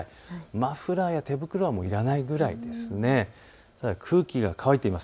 マフラーや手袋はいらないくらいです。